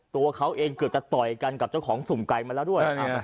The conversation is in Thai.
ตัวเขาเองเกือบจะต่อยกันกับเจ้าของสุ่มไก่มาแล้วด้วย